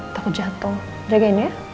takut jatuh jagain ya